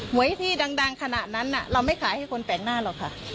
วยที่ดังขนาดนั้นเราไม่ขายให้คนแปลกหน้าหรอกค่ะ